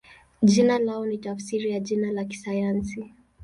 Jina lao ni tafsiri ya jina la kisayansi.